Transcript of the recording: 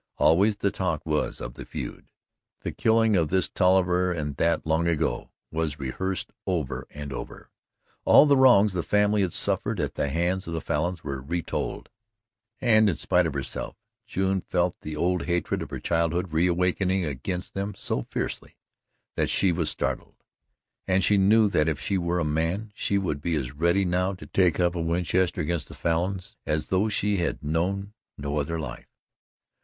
Always the talk was of the feud. The killing of this Tolliver and of that long ago was rehearsed over and over; all the wrongs the family had suffered at the hands of the Falins were retold, and in spite of herself June felt the old hatred of her childhood reawakening against them so fiercely that she was startled: and she knew that if she were a man she would be as ready now to take up a Winchester against the Falins as though she had known no other life.